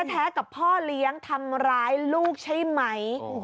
แท้กับพ่อเลี้ยงทำร้ายลูกใช่ไหม